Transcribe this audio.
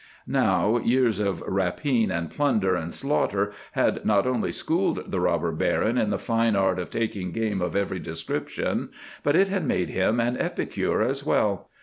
Now years of rapine and plunder and slaughter had not only schooled the Robber Baron in the fine art of taking game of every description, but it had made him an epicure as well.